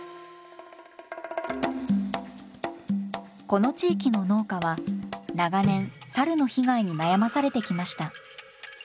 この地域の農家は長年サルの被害に悩まされてきました。